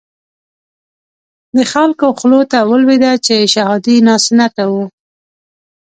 د خلکو خولو ته ولويده چې شهادي ناسنته وو.